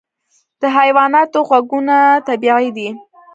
د حیواناتو غږونه طبیعي دي.